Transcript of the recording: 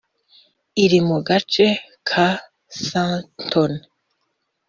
iri mu gace ka Sandton